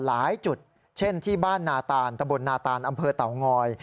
หลายจุดเช่นที่บ้านนาตานตะบลนาตานอำเภอเต่างอย